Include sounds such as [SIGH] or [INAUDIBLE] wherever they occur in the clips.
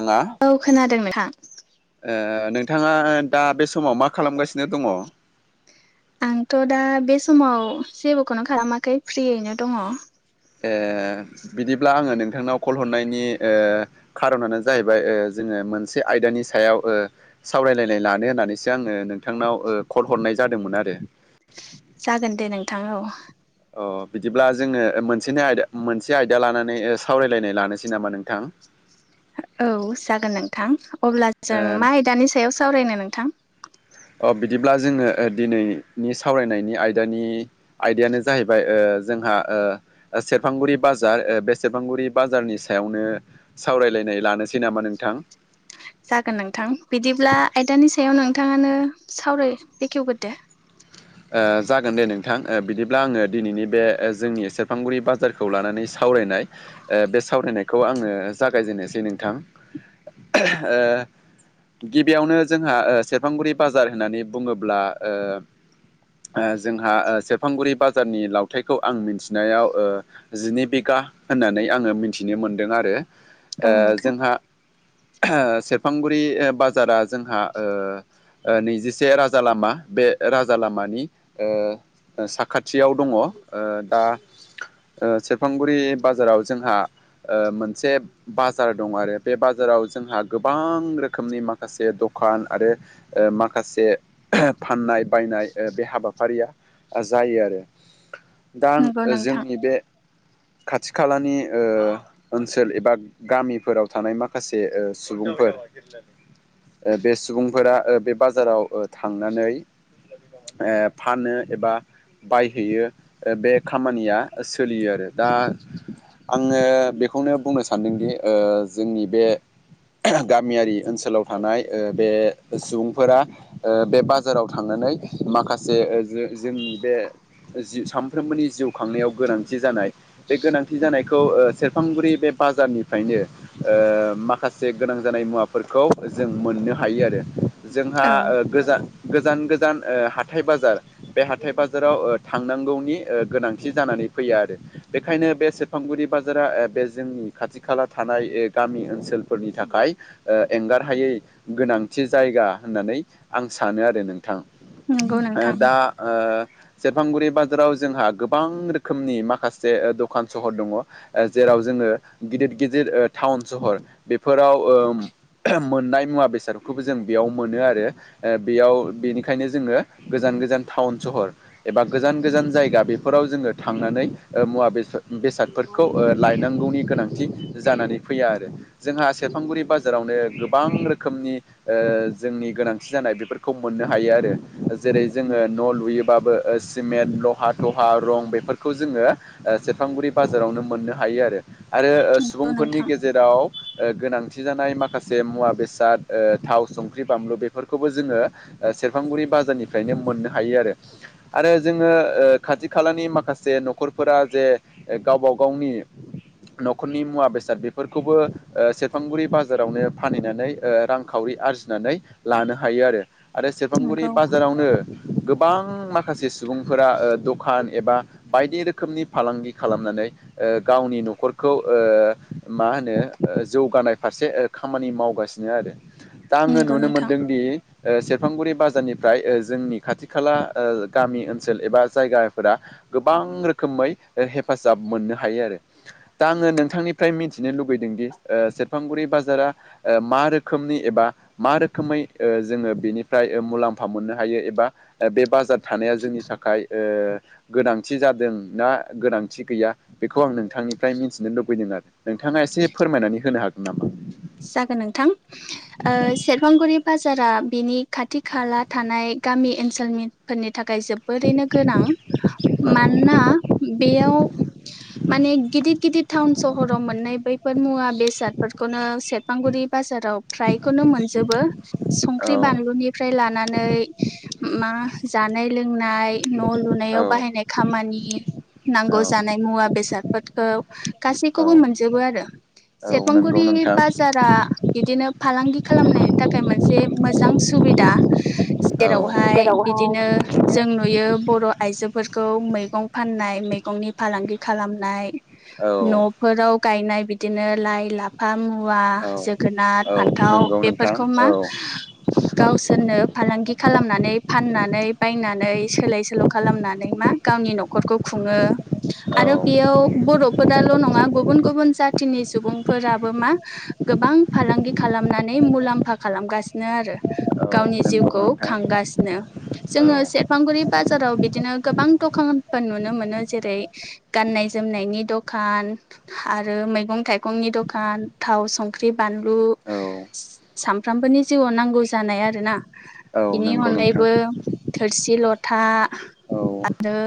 आङा औ खोनादों नोंथां। ओ नोंथाङा दा बे समाव मा खालामगासिनो दङ? आंथ' दा बे समाव जेबोखौनो खालामाखै फ्रियैनो दङ। एह। बिदिब्ला आङो नोंथांनाव कल हरनायनि ओ खारनानो जाहैबाय ओ जोङो मोनसे आयदा बिनि सायाव ओ सावरायलायनाय लानो होननानैसो आङो नोंथांनाव ओ कल हरनाय जादोंमोन आरो। जागोन दे नोंथां औ। अ बिदिब्ला जोङो मोनसेनो आयदा मोनसे आयदा लानानै सावरायलायनाय लानोसै नामा नोंथां? औ जागोन नोंथां, अब्ला जों ओ मा आयदानि सायाव सावरायनो नोंथां? अ बिदिब्ला जोङो दिनैनि सावरायनायनि आयदानि आयदायानो जाहैबाय ओ जोंहा ओ सेरफांगुरि बाजार ओ बे सेरफांगुरि बाजारनि सायावनो सावराय लायनाय लानोसै नामा नोंथां? जागोन नोंथां बिदिब्ला आयदानि सायाव नोंथाङानो सावराय बेखेवग्रोदो। [INAUDIBLE] ओ जागोन दे नोंथां ओ बिदिब्ला आङो दिनैनि बे ओ जोंनि सेरफांगुरि बा जारखौ लानानै सावरायनाय, ओ बे सावरायनायखौ आङो जागायजेननोसै नोंथां। ओ गिबियावनो जोंहा ओ सेरफांगुरि बाजार होननानै बुङोब्ला ओ ओ जोंहा ओ सेरफांगुरि बाजारनि लावथाइखौ आं मिथिनायाव ओ जिनै बिघा होननानै आङो मिथिनो मोनदों आरो। औ ओ नोंथां जोंहा ओ सेरफांगुरि बाजारा जोंहा ओ ओ नैजिसे राजा लामा बे राजा लामा नि ओ साखाथियाव दङ ओ दा ओ सेरफांगुरि बाजाराव जोंहा ओ मोनसे बाजार दं आरो बे बाजाराव जोंहा गोबां रोखोमनि माखासे दख खान आरो माखासे फाननाय बायनाय ओ बे हाबाफारिया जायो आरो। दा आं नंगौ नोंथां जोंनि बे खाथि खालानि ओ ओनसोल एबा गामिफोराव थानाय माखासे ओ सुबुंफोर [INAUDIBLE] ओ बे सुबुंफोरा ओ बे बाजाराव ओ थांनानै ओ फानो एबा बायहैयो ओ बे खामानिया सोलियो आरो दा आङो बेखौनो बुंनो सानदोंदि ओ जोंनि बे गामियारि ओनसोलाव थानाय ओ बे सुबुंफोरा ओ बे बाजाराव थांनानै माखासे जो-जोंनि बे जि सामफ्रोमबोनि जिउ खांनायाव गोनांथि जानाय बे गोनांथि जानायखौ ओ सेरफांगुरि बे बाजारनिफ्रायनो ओ माखासे गोनां जानाय मुवाफोरखौ जों मोननो हायो आरो। जोंहा औ ओ गोजा गोजान गोजान ओ हाथाइ बाजार बे हाथाय बाजाराव ओ थांनांगौनि ओ गोनांथि जानानै फैयो आरो। बेखायनो बे सेरफांगुरि बाजारा ओ बे जोंनि खाथि खाला थानाय ओ गामि ओनसोलफोरनि थाखाय ओ एंगारहायै गोनांथि जायगा होननानै आं सानो आरो नोंथां। नंगौ ओ नोंथां दा ओ सेरफांगुरि बाजाराव जोंहा गोबां रोखोमनि माखासे ओ दखान सहर दङ ओ जेराव जों गिदिर गिदिर ओ टाउन सहर बेफोराव ओ मोननाय मुवा बेसादखौ जों बेयाव मोनो आरो ओ बेयाव बेनि बेखायनो जोङो गोजान गोजान टाउन सहर एबा गोजान गोजान जायगा बेफोराव जोङो थांनानै मुवा बेसाद बेसादफोरखौ लायनांगौनि गोनांथि जानानै फैया आरो जोंहा आसै सेरफांगुरि बाजारावनो गोबां रोखोमनि ओ जोंनि गोनांथि जानाय बेफोरखौ मोननो हायो आरो जेरै जोङो न' लुयोबाबो सिमेन्ट लहा थहा रं बेफोरखौ जों जोङो ओ सेरफांगुरि बाजारावनो मोननो हायो आरो आरो नंगौ सुबुंफोरनि नोंथां गेजेराव ओ गोनांथि जानाय माखासे मुवा बेसाद ओ थाव संख्रि बानलु बेफोरखौबो जोङो ओ सेरफांगुरि बाजारनिफ्रायनो मोननो हायो आरो आरो ओ जोङो खाथि खालानि माखासे न'खरफोरा जे ओ गावबा गावनि न'खरनि मुवा बेसाद बेफोरखौबो ओ सेरफांगुरि बाजारावनो फानहैनानै ओ रांखावरि आरजिनानै लानो हायो आरो। आरो सेरफांगुरि नंगौ बाजारावनो गोबां माखासे सुबुंफोरा ओ दखान एबा बायदि रोखोमनि फालांगि खालामनानै ओ गावनि न'खरखौ ओ मा होनो जौगानाय फारसे ओ खामानि मावगासिनो आरो। दा आङो नंगौ नुनो नोंथां मोनदोंदि ओ सेरफांगुरि बाजारनिफ्राय ओ जोंनि खाथि खाला ओ गामि ओनसोल एबा जायगाफोरा गोबां गोबां रोखोमै ओ हेफाजाब मोननो हायो आरो। दा आङो नोंथांनिफ्राय मिथिनो लुगैदोंदि ओ सेरफांगुरि बाजारा ओ मा रोखोमनि एबा बा मा रोखोमै ओ जोङो बेनि फ्राय मुलाम्फा मोननो हायो एबा बे बाजार थानाया जोंनि थाखाय ओ गोनांथि जा जादों ना गोनांथि गैया बेखौ आं नोंथांनिफ्राय मिथिनो लुबैदों आरो नोंथाङा एसे फोरमायनानै होनो हागोन नामा? जागोन नोंथां सारआ बिनि खाथि खाला थानाय गामि ओनसोलनिफोरनि थाखाय जोबोरैनो गोनां औ मानोना बेयाव माने गिदिर गिदिर टाउन सहराव मोन नाय बैफोर मुवा बेसादफोरखौनो सेर फांगुरि बाजाराव फ्रायखौनो मोनजोबो औ संख्रि बानलुनिफ्राय लाना नै मा जानाय लोंनाय न' औ लुनायाव बाहायनाय खामानि नांगौ जानाय मुवा बेसादफोरखौ गासैखौबो मोनजोबो आरो औ नंगौ सेरफांगुरि नोंथां बा जारा बिदिनो फालांगि खालामनायनि थाखाय मोनसे मोजां सुबिदा औ जेरावहाय हाय बिदिनो जेरावहाय जों नुयो बर' आइजोफोर खौ मैगं फाननाय मैगंनि फालांगि खालामनाय औ न'फोराव गायनाय बिदिनो लाइ लाफा मु मुवा औ जोगोनार औ फान्थाव नंगौ नोंथां बेफोरखौ मा औ गावसोरनो फालांगि खालामनानै फाननानै बायनानै सोलाय सोल' खालामनानै मा गावनि न'खरखौ खुङो । आरो औ बेयाव बरफोराल नङा गुबुन गुबुन जाथिनि सुबुंफोराबो मा गोबां फालांगि खालामनानै मुलाम्फा खालामगासिनो आरो औ गावनि नंगौ जिउखौ नोंथां खांगासिनो औ जोंङो सेरफांगुरि बाजाराव बिदिनो गोबां दखानफोर नुनो मोनो जेरै गाननाय जोमनायनि दखान आरो मैगं थाइगंनि दखान थाव संख्रि बानलु औ सामफ्रामबोनि जिउआव नांगौ जानाय आरो ना औ बेनि नंगौ नोंथां अनगायैबो थोरसि लथा औ आरो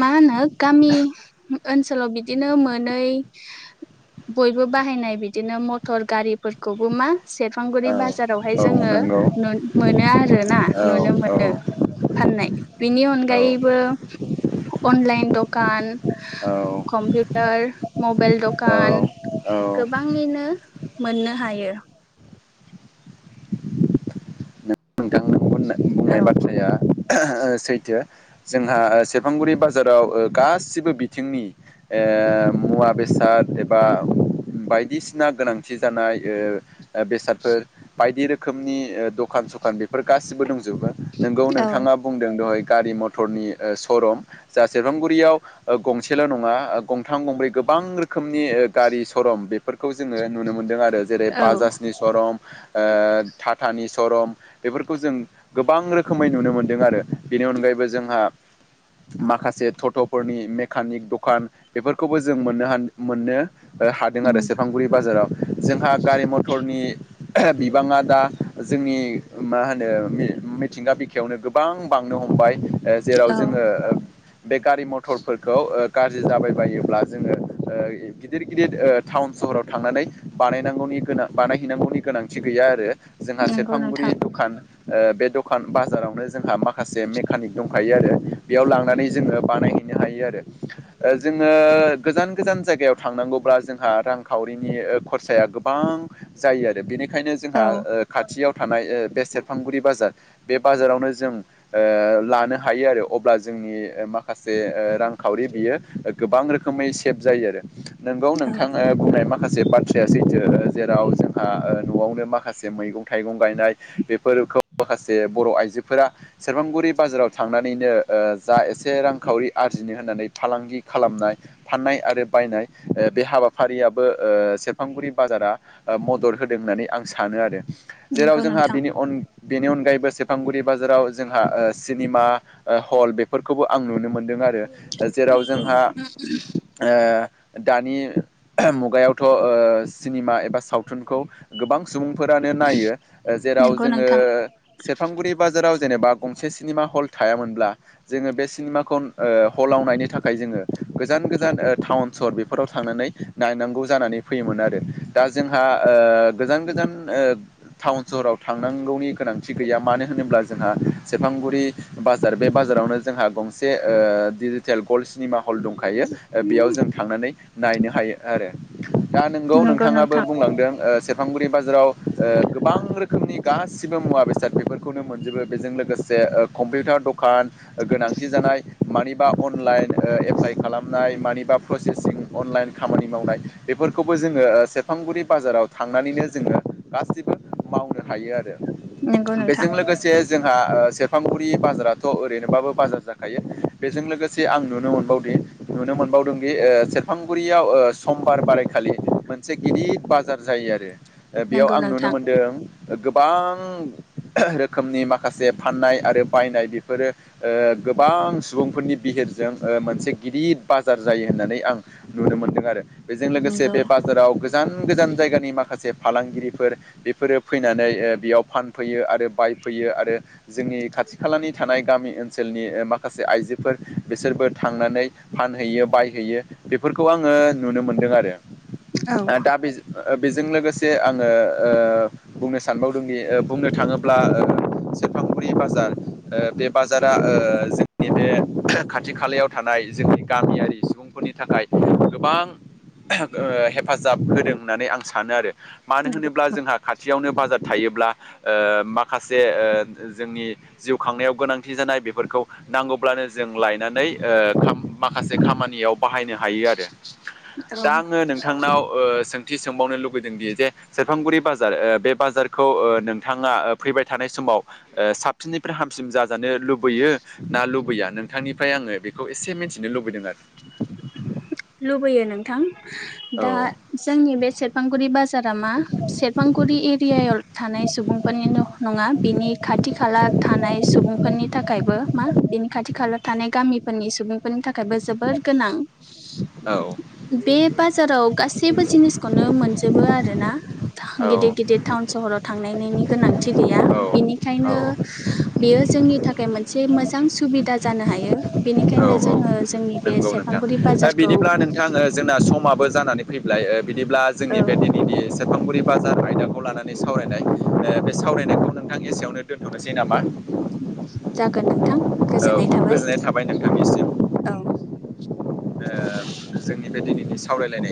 मा होनो गामि ओनसोलाव बिदिनो मोनै [INAUDIBLE] बयबो बाहायनाय बिदिनो मा गारि फोरखौबो मा सेरफुरि औ बाजारावहाय औ जोंङो नंगौ मोनो आरोना औ नुनो औ मोनो फाननाय बिनि औ अनगायैबो अनलाइन दखान औ कमपिउटार मबाइल दखान औ गोबांङैनो मोननो हायो नोंथां बुंनाय औ बाथ्राया सैथो जोंहा सेरफांगुरि बाजाराव गासिबो बिथिंनि ओ ओ मुवा बेसाद एबा। बायदिसिना गोनांथि जानाय ओ बेसादफोर बायदि रोखोमनि ओ दखान। ख बेफोर गासिबो दंजोबो नों औ नोंथाङा। होनदों दहाय गारि मतरनि ओ सरम जा सेरफांगुरियाव गंसेल नङा गंथाम। गंथाम गंब्रै गोबां रोखोमनि गारि सरम बेफोरखौ जोंङो नुनो मोनदों आरो। आरो जेरै औ बाजाजनि सरम। ओ थटाटानि सरम बेफोरखौ जों गोबां रोखोमै नुनो मोनदों आरो। बेनि अनगायैबो जोंहा। माखासे थटथफोरनि मेकानिक दखान बेफोरखौबो जों मोननो ह मोननो। हादों आरो सेरफांगुरि बाजाराव जोंहा गारि मथरनि। बिबाङा दा जोंनि मा होनो मिथिंगा बिखायावनो गोबां बांनो हमबाय ओ जेराव औ जोंङो। बे गारि मथरफोरखौ ओ गाज्रि जाबायबायोब्ला जोंङो ओ गिदिर गिदिर ओ थटाउनस। सहराव थांनानै बानायनांगौनि गोनां बानायहैनांगौनि गोनांथि गैया आरो। जोंहा नंगौ सेरफांगुरि नोंथां दखान ओ बे दखान बाजारावनो जोंहा मा। माखासे मेकानिक दंखायो आरो बेयाव लांनानै जोंङो बानायहैनो हायो आरो। ओ जोंङो गोजान गोजान जायगायाव थांनांगौब्ला जोंहा रांखावरिनि ओ खरसाया गोबां। गोबां जायो आरो बेनिखाय। बेखायनो जोंहा औ ओ खाथियाव थानाय ओ बे सेरफांगुरि बाजार बे बाजारावनो जों। ओ लानो हायो आरो अब्ला जोंनि माखासे ओ रांखावरि बियो गोबां रोखोम। खमै सेब जायो आरो नोंगौ औ नोंथाङ ओ बुंनाय माखासे। जेब बाथ्राया सैथो आरो जेराव जों ओ नआवनो माखासे मैगं। थाइगं गायनाय बेफोरखौ माखासे बर आइजोफोरा। सेरफांगुरि बाजाराव थांनानैनो ओ जा एसे रांखावरि आरजिनो होननानै फालांगि खालामनाय। फाननाय आरो बायनाय ओ बे हाबाफारियाबो ओ सेरफांगुरि बाजारा ओ मदर। होदों होननानै आं सानो आरो जेराव नंगौ जोंहा नोंथां बेनि अनगायैबो सेरफांगुरि बाजाराव। जोंहा ओ सिनेमा ओ हल बेफोरखौबो आं नुनो मोनदों आरो। जेराव जों ओ। दानि मुगायावथ सिनेमा एबा सावथुनखौ गोबां सुबुंफोरानो नायो ओ जेराव नंगौ जोंङो नोंथां सेरफांगुरि बाजाराव। जेनेबा गंसे सिनेमा हल थायामोनब्ला जोङो बे सिनेमाखौ ओ हलाव नायनो थाखाय जोंङो। गोजान गोजान ओ टाउन सहर बेफोराव थांनानै नायनांगौ जानानै फैयोमोन आरो दा जोंहा। ओ गोजान गोजान ओ टाउन सहराव थांनांगौनि गोनांथि गैया मानो होनोब्ला। जोंहा सेरफांगुरि बाजार बे बाजारावनो जोंहा गंसे ओ डिजिटेल गल्ड सिनेमा हल। हल दंखायो बेयाव जों थांनानै नायनो हायो आरो दा नोंगौ नंगौ नोंथाङाबो नोंथां बुंलांदों ओ सेरफांगुरि बाजाराव ओ गोबां रोखोमनि गासिबो मुवा बेसाद बेफोरखौनो मोनजोबो बेजों लोगोसे ओ कम्पिउटार दखान गोनांथि जानाय मानिबा अनलाइन ओ एप्लाइ खालामनाय मानिबा प्रसेसिं अनलाइन खामानि मावनाय बे बेफोरखौबो ओ जोङो सेरफांगुरि बाजाराव थांनानैनो जोङो गासिबो मावनो हायो आरो। नंगौ नोंथां बेजों लोगोसे। जोंहा ओ सेरफांगुरि बाजाराथ' ओरैनोबाबो बाजार जाखायो बेजों लोगोसे आं नुनो मोनबावदो नुनो मोनावदों दि ओ सेरफांगुरियाव ओ समबार बारायखालि मोनसे गिदिर बाजार जायो आरो ओ बेयाव नंगौ आं नुनो नोंथां मोनदों गोबां रोखोमनि माख माखासे फाननाय आरो बायनाय बेफोरो ओ गोबां सुबुंफोरनि बिहिरजों ओ मोनसे गिदिर बाजार जायो होननानै आं नुनो मोनदों आरो बेजों लोगोसे नंगौ बे बाजाराव गोजान गोजान जायगानि माखासे फालांगिरिफोर बेफोरो फैनानै ओ बेयाव फानफैयो आरो बाय फैयो आरो जोंनि खाथि खालानि थानाय गामि ओनसोलनि ओ माखासे आइजोफोर बिसोरबो थांनानै फानहैयो बायहैयो बेफोरखौ आङो नुनो मोनदों आरो औ ओ दा बेज बेजों लोगोसे आङो ओ बुंनो सानबावदोंदि ओ बुंनो थाङोब्ला सेरफांगुरि बाजार ओ बे ओ बाजारा जोंनि बे खाथि खालायाव थानाय जोंनि गामियारि सुबुंफोरनि थाखाय गोबां हेफाजाब होदों होननानै आं सानो आरो मानो नंगौ होनोब्ला जोंहा खाथियावनो बाजार थायोब्ला माखासे जोंनि जिउ खांनायाव गोनांथि जानाय बेफोरखौ नांगौब्लानो जों लायनानै खाम माखासे खामानियाव बाहायनो हायो आरो दा औ आङो नोंथांनाव ओ सों थि सोंबावनो लुुबैदोंदि जे सेरफांगुरि बाजार बे बाजारखौ नोंथाङा फैबाय थानाय समाव ओसाबसिननिफ्राय हामसिन जाजानो लुबैयो ना लुबैया नोंथांनिफ्राय आङो बेखौ एसे मिथिनो लुबैदों आरो लुबैयो नोंथां दा आरो जोंनि बे सेरफांगुरि बाजाराव सेरफांगुरि एरियायाव थानाय सुबुंफोरनि' नङा बिनि खाथि खाला थानाय सुबुंफोरनि थाखायबो मा बेनि खाथि खाला थानाय गामि फोरनि सुबुंफोरनि थाखायबो जोोबोर गोनां औ बे बाजाराव गासैबो जिनिसखौनो मोनजोबो आरोोना औ गिदिर गिदिर टाउन सहराव थांनायनि गोनांथि गैया औ बिनिखायनो बेयो जोंनि थाखाय मोनसे मोजां सुबिदा जानो हायो औ बेनिखायनो जोङो जोंनि बे सेरफांगुरि बाजार ब्ला नोंथाङो जोंना समाबो जानानै फैलाय बिदिब्ला औ जोंनि बे दिनैनि सेरफांगुरि बाजार आयदाखौ लानानै सावरायनाय सावरायनायखौ नोंथां एसेयावनो दोन्थ'नोसै नामा जागोन नों औ गोजोननाय थाबाय नोंथांनिसिम औ ओ जोंनि बे दिनैनि सावरायलायनाय